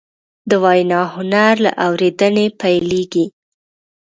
د وینا هنر له اورېدنې پیلېږي